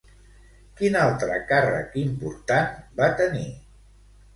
Quin altre càrrec important va tenir?